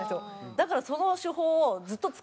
だからその手法をずっと使ってて。